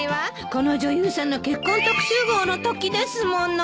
この女優さんの結婚特集号のときですもの。